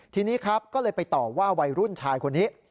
ทีนี้ครับก็เลยไปต่อว่าวัยรุ่นชายคนนี้